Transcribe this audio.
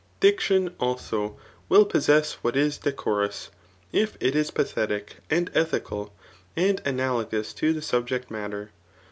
Diction, also, will possess what is decorous, if it is jKithetic and ethical, and analogous to the subject matter.